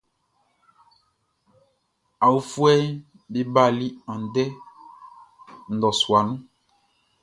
Aofuɛʼm be bali andɛ ndɔsua nun.